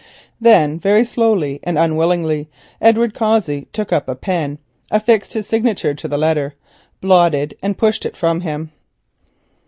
Then very slowly and unwillingly, Edward Cossey took up a pen, affixed his signature to the letter, blotted it, and pushed it from him.